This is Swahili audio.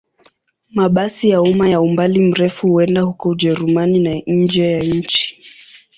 Mabasi ya umma ya umbali mrefu huenda huko Ujerumani na nje ya nchi.